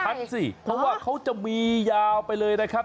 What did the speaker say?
สิเพราะว่าเขาจะมียาวไปเลยนะครับ